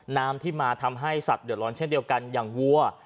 น้ำที่มาทำให้สัตว์เดือดร้อนเช่นเดียวกันอย่างวัว